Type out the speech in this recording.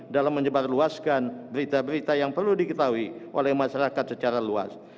dalam menyebarluaskan berita berita yang perlu diketahui oleh masyarakat secara luas